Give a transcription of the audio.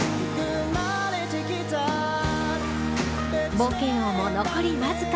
冒険王も残りわずか。